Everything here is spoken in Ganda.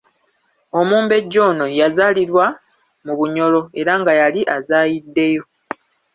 Omumbejja ono yazaalirwa mu Bunyoro era nga yali azaayiddeyo.